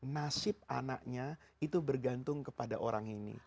nasib anaknya itu bergantung kepada orang ini